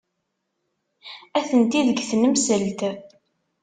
Atenti deg tnemselt.